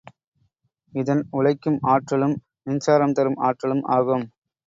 இதன் உழைக்கும் ஆற்றலும் மின்சாரம் தரும் ஆற்றலும் ஆகும்.